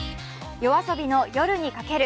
ＹＯＡＳＯＢＩの「夜に駆ける」。